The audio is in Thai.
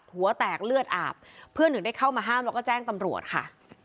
หัวแตกเลือดอาบเพื่อนถึงได้เข้ามาห้ามแล้วก็แจ้งตำรวจค่ะ